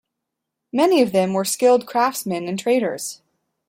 Many of them were skilled craftsmen and traders.